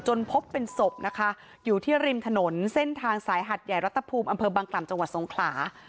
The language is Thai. พบเป็นศพนะคะอยู่ที่ริมถนนเส้นทางสายหัดใหญ่รัฐภูมิอำเภอบังกล่ำจังหวัดสงขลา